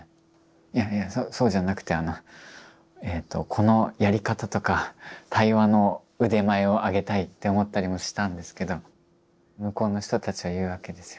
いやいやそうじゃなくてこのやり方とか対話の腕前を上げたいって思ったりもしたんですけど向こうの人たちは言うわけですよ。